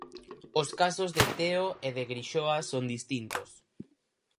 Os casos de Teo e de Grixoa son distintos.